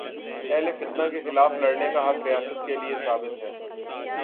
اہل فتنہ کے خلاف لڑنے کا حق ریاست کے لیے ثابت ہے۔